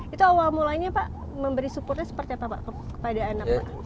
itu awal mulanya pak memberi supportnya seperti apa pak